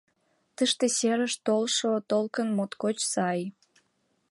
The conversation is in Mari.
Тыште серыш толшо толкын моткоч сай.